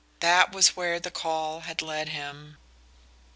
That was where the "call" had led him...